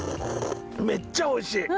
めっちゃおいしい。